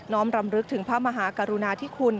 น้อมรำลึกถึงพระมหากรุณาที่คุณ